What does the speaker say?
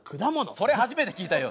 それ初めて聞いたよ！